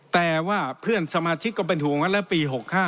แต่ว่าเพื่อนสมาชิกก็เป็นห่วงกันแล้วปี๖๕